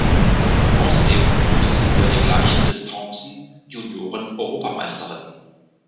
Außerdem wurde sie über die gleichen Distanzen Junioren-Europameisterin.